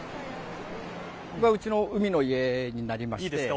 ここがうちの海の家になります。